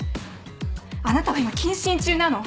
あなたは今謹慎中なの。